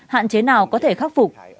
hạn chế nào có thể khắc phục